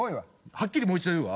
はっきりもう一度言うわ。